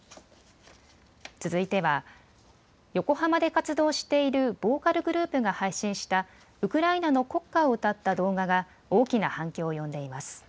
続いては、横浜で活動しているボーカルグループが配信したウクライナの国歌を歌った動画が大きな反響を呼んでいます。